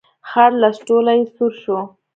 خړ لستوڼی يې سور شو.